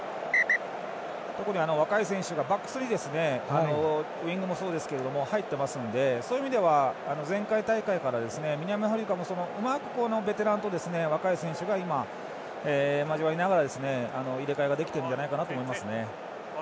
特に若い選手がバックスにウイングもそうですけど入っていますのでそういう意味では、前回大会から南アフリカも、うまくベテランと若い選手が今、交わりながら入れ替えができているんじゃないかなと思いますね。